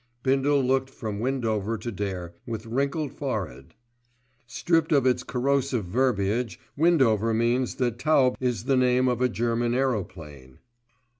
Bindle looked from Windover to Dare with wrinkled forehead. "Stripped of its corrosive verbiage, Windover means that 'taube' is the name of a German aeroplane."